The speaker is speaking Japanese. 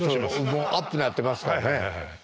もうアップになってますからね。